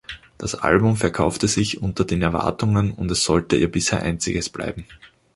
Das Album verkaufte sich unter den Erwartungen und es sollte ihr bisher einziges bleiben.